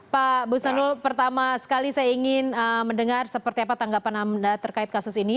pak busanul pertama sekali saya ingin mendengar seperti apa tanggapan anda terkait kasus ini